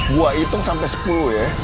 gue hitung sampai sepuluh ya